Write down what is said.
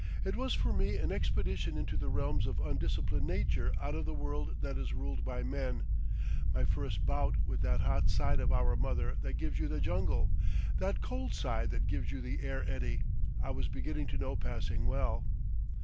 It was for me an expedition into the realms of undisciplined nature out of the world that is ruled by men, my first bout with that hot side of our mother that gives you the jungle—that cold side that gives you the air eddy I was beginning to know passing well.